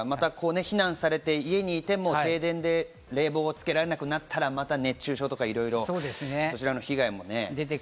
避難されて家にいても停電で冷房をつけられなくなったら、また熱中症とかいろいろ、そちらの被害もね。